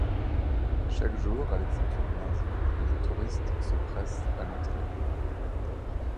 Chaque jour, à l'exception du lundi, les touristes se pressent à l'entrée.